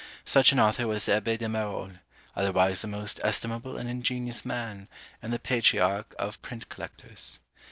Such an author was the Abbé de Marolles, otherwise a most estimable and ingenious man, and the patriarch of print collectors.